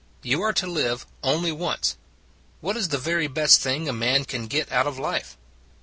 You are to live only once. What is the very best thing a man can get out of life?